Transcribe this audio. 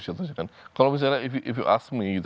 kalau misalnya kalau anda bertanya kepada saya